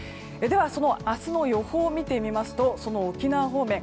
その明日の予報を見てみますとその沖縄方面。